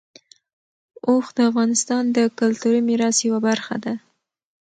اوښ د افغانستان د کلتوري میراث یوه برخه ده.